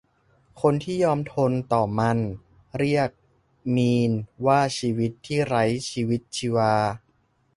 คนที่ยอมทนต่อมัน เรียกมีนว่าชีวิตที่ไร้ชีวิตชีวา